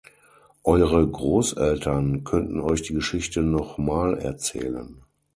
Eure Großeltern könnten euch die Geschichte noch mal erzählen.